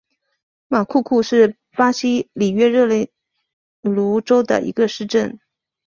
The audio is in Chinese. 马库库是巴西里约热内卢州的一个市镇。